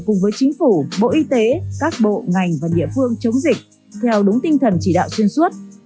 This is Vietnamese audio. cùng với chính phủ bộ y tế các bộ ngành và địa phương chống dịch theo đúng tinh thần chỉ đạo xuyên suốt